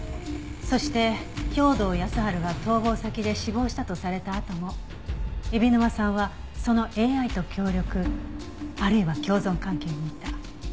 そして兵働耕春が逃亡先で死亡したとされたあとも海老沼さんはそのＡＩと協力あるいは共存関係にいた。